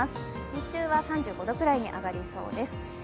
日中は３５度くらいに上がりそうです。